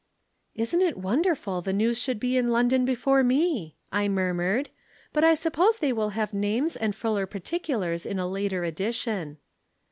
"'Isn't it wonderful the news should be in London before me?' I murmured. 'But I suppose they will have names and fuller particulars in a later edition.'